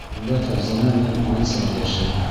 Унда Фәрзәнә менән Ансар йәшәй.